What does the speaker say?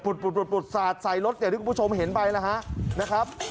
ปลุดสัดใส่รถอย่าให้คุณผู้ชมเห็นไปเลยครับ